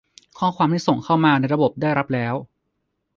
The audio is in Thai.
ข้อความที่ส่งเข้ามาในระบบได้รับแล้ว